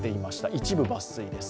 一部抜粋です。